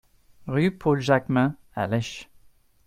Rue Paul Jacquemin à Lesches